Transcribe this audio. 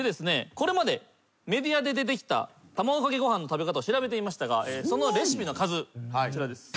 これまでメディアで出てきた卵かけご飯の食べ方を調べてみましたがそのレシピの数こちらです。